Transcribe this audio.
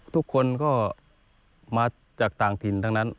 ทุกคนก็มาจากต่างถิ่นทั้งนั้น